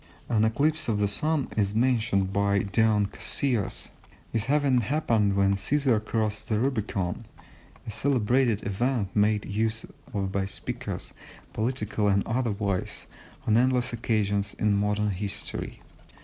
An eclipse of the Sun is mentioned by Dion Cassius as having happened when Cæsar crossed the Rubicon, a celebrated event made use of by speakers, political and otherwise, on endless occasions in modern history.